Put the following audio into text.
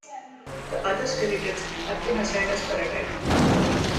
The other skeletons have been assigned as paratypes.